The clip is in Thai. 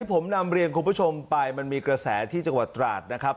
ผมนำเรียนคุณผู้ชมไปมันมีกระแสที่จังหวัดตราดนะครับ